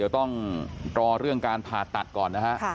ต้องตอเรื่องการผ่ารตัดก่อน